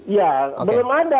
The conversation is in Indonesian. ya belum ada